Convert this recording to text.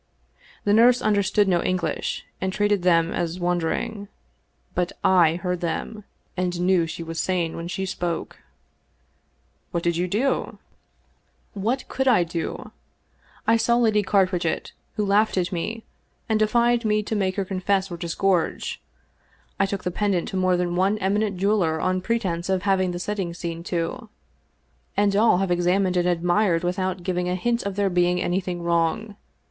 The nurse understood no English, and treated them as wandering ; but / heard them, and knew she was sane when she spoke." "What did you do?" 276 The Great Valdez Sapphire " What could I ? I saw Lady Carwitchet, who laughed at me, and defied me to make her confess or disgorge. I took the pendant to more than one eminent jeweler on pre tense of having the setting seen to, and all have examined and admired without giving a hint of there being anything wrong.